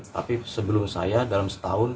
tapi sebelum saya dalam setahun